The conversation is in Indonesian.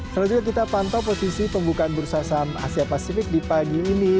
selanjutnya kita pantau posisi pembukaan bursa saham asia pasifik di pagi ini